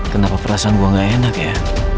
kenapa perasaan gue gak enak ya